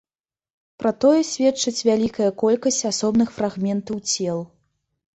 Пра тое сведчыць вялікая колькасць асобных фрагментаў цел.